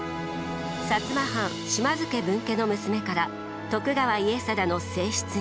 摩藩島津家分家の娘から徳川家定の正室に。